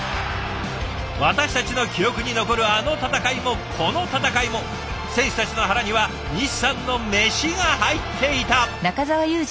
私たちの記憶に残るあの戦いもこの戦いも選手たちの腹には西さんのメシが入っていた。